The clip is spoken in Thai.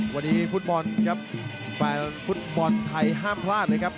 วันนี้ฟุตบอร์นนะครับฟลานฟันฟุตบอร์นไทยห้ามพลาด